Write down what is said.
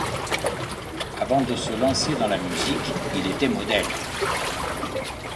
Avant de se lancer dans la musique, il était modèle.